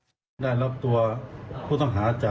เกี่ยวกับการตรวจ